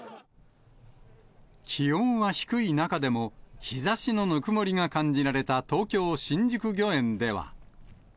気温は低い中でも、日ざしのぬくもりが感じられた東京・新宿御苑では。